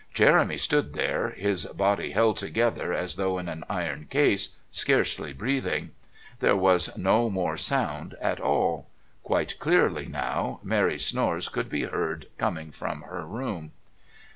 Jeremy stood there, his body held together as though in an iron case, scarcely breathing. There was no more sound at all. Quite clearly now Mary's snores could be heard coming from her room.